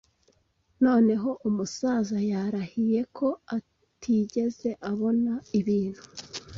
Noneho umusaza yarahiye ko atigeze abona ibintu